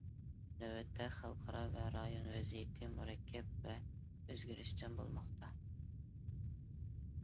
نۆۋەتتە خەلقئارا ۋە رايون ۋەزىيىتى مۇرەككەپ ۋە ئۆزگىرىشچان بولماقتا.